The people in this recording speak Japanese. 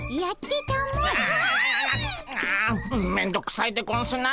あめんどくさいでゴンスな。